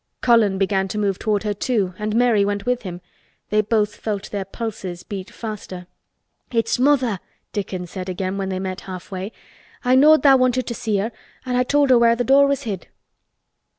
Colin began to move toward her, too, and Mary went with him. They both felt their pulses beat faster. "It's mother!" Dickon said again when they met halfway. "I knowed tha' wanted to see her an' I told her where th' door was hid."